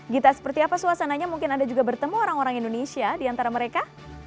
gita seperti apa suasananya mungkin anda juga bertemu orang orang indonesia di antara mereka